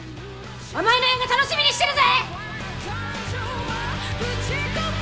お前の映画楽しみにしてるぜ！